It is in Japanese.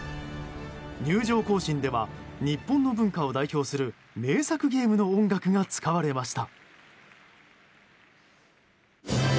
入場行進では日本の文化を代表する名作ゲームの音楽が使われました。